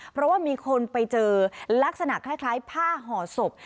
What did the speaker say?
เพราะว่ามีคนไปเจอลักษณะคล้ายผ้าห่อศพ